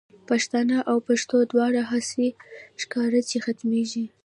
پښتانه او پښتو دواړه، هسی ښکاری چی ختمیږی